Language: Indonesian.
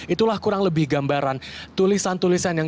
itulah kurang lebih gambaran tulisan tulisan yang kemudian diberikan